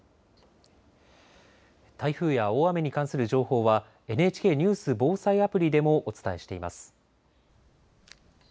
台風や大雨に関する情報はＮＨＫニュース・防災アプリでもお伝えしています。